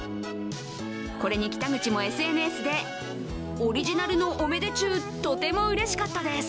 これに北口もＳＮＳでオリジナルのオメデチュウ、とてもうれしかったです！